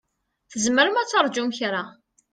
Tzemrem ad terǧum kra?